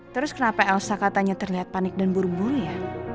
terus kenapa elsa katanya terlihat panik dan buru buru ya